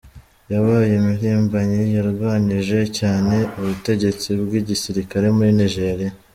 Yabaye impirimbanyi yarwanyije cyane ubutegetsi bw’igisirikare muri Nigeria.